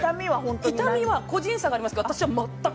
痛みは、個人差はありますけど、私は全く。